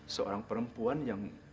seorang perempuan yang